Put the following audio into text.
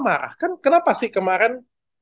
marah kan kenapa sih kemarin